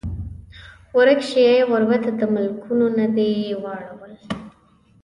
ورک شې ای غربته د ملکونو نه دې واړول